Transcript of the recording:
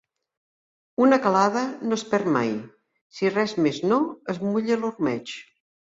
Una calada no es perd mai; si res més no, es mulla l'ormeig.